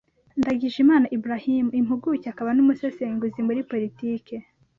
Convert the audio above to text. Ndagijimana Ibrahim, Impuguke akaba n’umusesenguzi muri Politike,